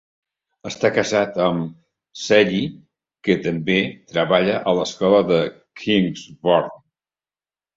Està cassat amb Sally, que també treballà a l'escola Kingswood.